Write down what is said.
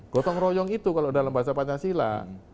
gotong royong itu kalau dalam bahasa pancasila